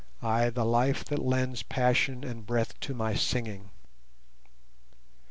ay, the life that lends passion and breath to my singing.